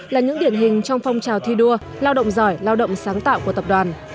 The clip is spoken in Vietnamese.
là những điển hình trong phong trào thi đua lao động giỏi lao động sáng tạo của tập đoàn